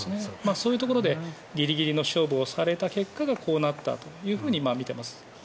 そういうところでギリギリの勝負をされた結果がこうなったというふうに見ています。